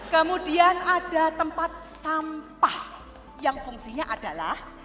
kemudian ada tempat sampah yang fungsinya adalah